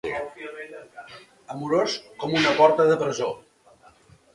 Amorós com una porta de presó.